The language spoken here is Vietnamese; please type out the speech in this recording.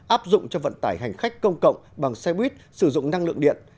áp dụng cho vận tải hành khách công cộng bằng xe buýt sử dụng năng lượng điện